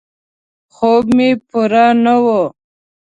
خوب مې پوره نه و.